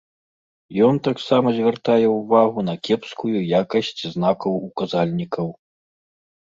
Ён таксама звяртае ўвагу на кепскую якасць знакаў-указальнікаў.